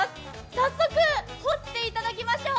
早速掘っていただきましょう。